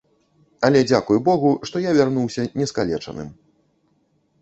Але дзякуй богу, што я вярнуўся не скалечаным.